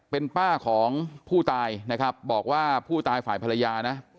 เป็นป้าของผู้ตายนะครับบอกว่าผู้ตายฝ่ายภรรยานะ